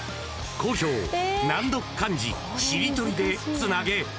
好評、難読漢字しりとりでつなげ。